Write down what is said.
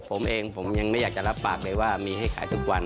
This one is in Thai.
ผมเองผมยังไม่อยากจะรับปากเลยว่ามีให้ขายทุกวัน